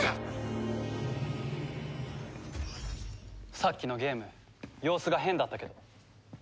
さっきのゲーム様子が変だったけど。